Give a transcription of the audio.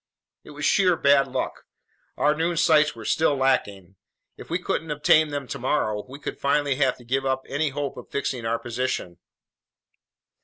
It was sheer bad luck. Our noon sights were still lacking. If we couldn't obtain them tomorrow, we would finally have to give up any hope of fixing our position.